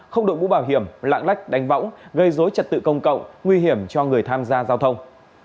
không đội mũ bảo hiểm lạng lách đánh võng gây dối trật tự công cộng nguy hiểm cho người tham gia giao thông